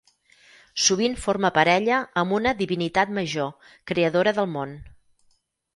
Sovint forma parella amb una divinitat major, creadora del món.